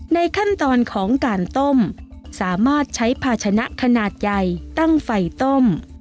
ในขั้นตอนของการต้มสามารถใช้ภาชนะขนาดใหญ่ตั้งไฟต้ม